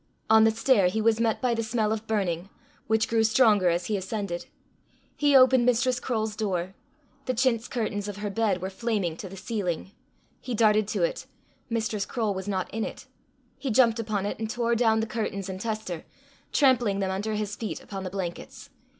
On the stair he was met by the smell of burning, which grew stronger as he ascended. He opened Mistress Croale's door. The chintz curtains of her bed were flaming to the ceiling. He darted to it. Mistress Croale was not in it. He jumped upon it, and tore down the curtains and tester, trampling them under his feet upon the blankets.